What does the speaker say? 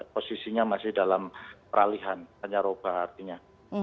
posisinya masih dalam peralihan hanya roba artinya